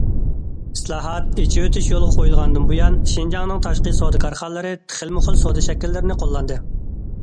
ئىسلاھات، ئېچىۋېتىش يولغا قويۇلغاندىن بۇيان شىنجاڭنىڭ تاشقى سودا كارخانىلىرى خىلمۇخىل سودا شەكىللىرىنى قوللاندى.